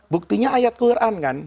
buktinya ayat quran kan